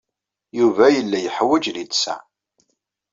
Yuba yella yeḥwaj littseɛ.